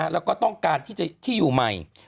แล้วก็ต้องการที่อยู่ใหม่